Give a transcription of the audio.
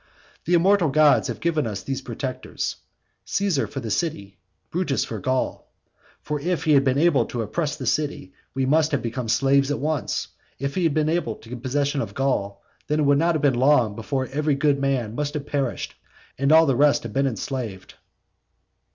The immortal gods have given us these protectors, Caesar for the city, Brutus for Gaul. For if he had been able to oppress the city we must have become slaves at once; if he had been able to get possession of Gaul, then it would not have been long before every good man must have perished and all the rest have been enslaved.